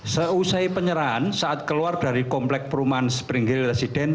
seusai penyerahan saat keluar dari komplek perumahan spring hill residen